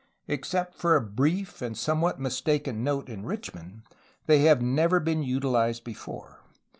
Except for a brief and some what mistaken note in Richman, they have never been utiKzed before.